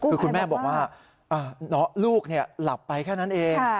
คือคุณแม่บอกว่าอ่าลูกเนี่ยหลับไปแค่นั้นเองค่ะ